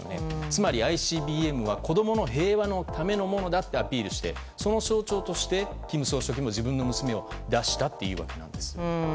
つまり、ＩＣＢＭは子供の平和のためのものだとアピールしてその象徴として金総書記の自分の娘を出したというわけなんです。